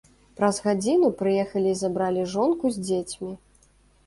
Праз гадзіну прыехалі і забралі жонку з дзецьмі.